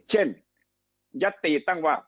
เช่นยัตติตั้งว่า